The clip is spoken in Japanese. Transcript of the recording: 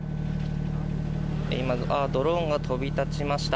今、ドローンが飛び立ちました。